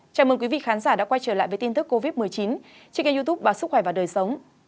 chào mừng quý vị khán giả đã quay trở lại với tin tức covid một mươi chín trên kênh youtub báo sức khỏe và đời sống